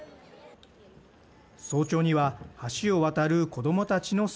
早朝には橋を渡る子どもたちの姿。